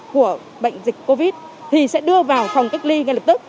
của bệnh dịch covid thì sẽ đưa vào phòng cách ly ngay lập tức